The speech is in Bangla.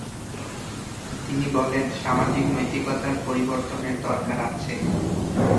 তিনি বলেন, সামাজিক নৈতিকতার পরিবর্তনের দরকার আছে।